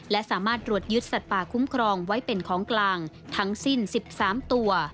และสามารถตรวจยึดสัตว์ป่าคุ้มครองไว้เป็นของกลางทั้งสิ้น๑๓ตัว